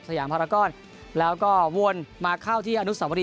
สยาพารก้อนแล้วก็วนมาเข้าที่